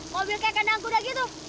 mobil kayak kenang kuda gitu